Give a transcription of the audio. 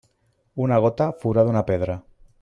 Una gota forada una pedra.